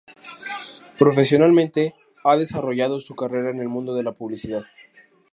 Profesionalmente ha desarrollado su carrera en el mundo de la publicidad.